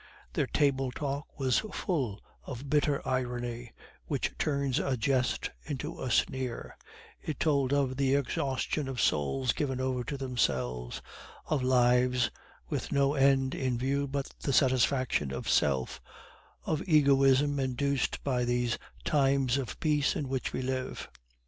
Their table talk was full of bitter irony which turns a jest into a sneer; it told of the exhaustion of souls given over to themselves; of lives with no end in view but the satisfaction of self of egoism induced by these times of peace in which we live.